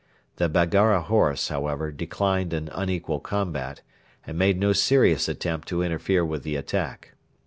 The Baggara horse, however, declined an unequal combat, and made no serious attempt to interfere with the attack.